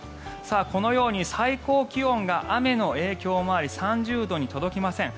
このように最高気温が雨の影響もあり３０度に届きません。